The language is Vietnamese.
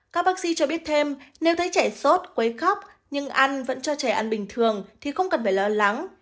các bác sĩ cho biết thêm nếu thấy trẻ sốt quấy khóc nhưng ăn vẫn cho trẻ ăn bình thường thì không cần phải lo lắng